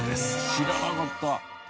知らなかった！